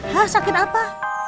hah sakit apa